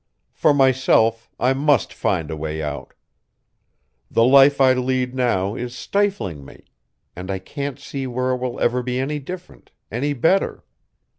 For myself, I must find a way out. The life I lead now is stifling me and I can't see where it will ever be any different, any better.